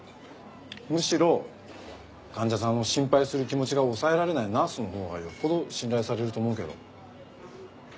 むしろ患者さんを心配する気持ちが抑えられないナースのほうがよっぽど信頼されると思うけど。